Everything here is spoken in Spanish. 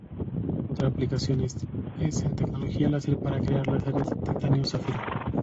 Otra aplicación es en tecnología láser para crear láseres titanio-zafiro.